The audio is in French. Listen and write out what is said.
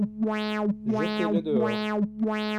Jetez-le dehors.